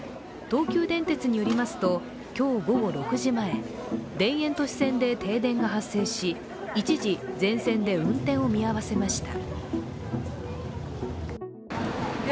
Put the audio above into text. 東急電鉄によりますと、今日午後６時前、田園都市線で停電が発生し一時全線で運転を見合わせました。